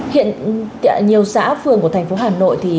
hiện nhiều xã phường của tp hà nội